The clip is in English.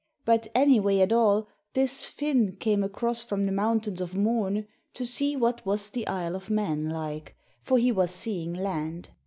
But, anyway at all, this Finn came across from the Mountains of Mourne to see what was the Isle of Mann like, for he was seeing land.